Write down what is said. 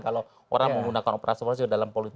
kalau orang menggunakan operasi operasi dalam politik